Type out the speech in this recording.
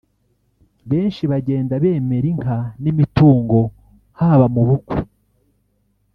Benshi bagenda bemera inka n’imitungo haba mu bukwe